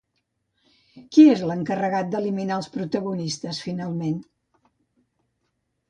Qui és l'encarregat d'eliminar els protagonistes finalment?